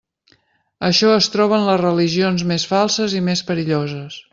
Això es troba en les religions més falses i més perilloses.